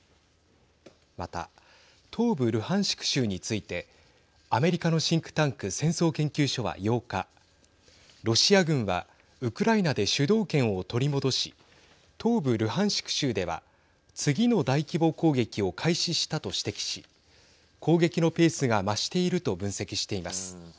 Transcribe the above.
また東部ルハンシク州についてアメリカのシンクタンク戦争研究所は８日ロシア軍はウクライナで主導権を取り戻し東部ルハンシク州では次の大規模攻撃を開始したと指摘し攻撃のペースが増していると分析しています。